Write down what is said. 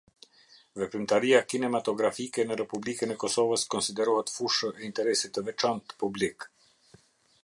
Veprimtaria kinematografike në Republikën e Kosovës konsiderohet fushë e interesit të veçantë publik.